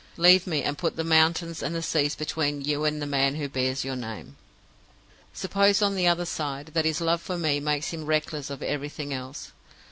Leave me, and put the mountains and the seas between you and the man who bears your name!' "Suppose, on the other side, that his love for me makes him reckless of everything else?